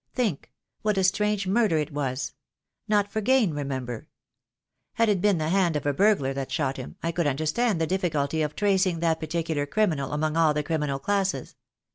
Think, what a strange murder it was. Not for gain, remember. Had it been the hand of a burglar that shot him, I could understand the difficulty of tracing that particular criminal among all the criminal classes.